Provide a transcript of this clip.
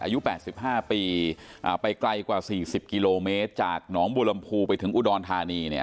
อายุแปดสิบห้าปีอ่าไปไกลกว่าสี่สิบกิโลเมตรจากหนองบูรรมภูไปถึงอุดรธานีเนี่ย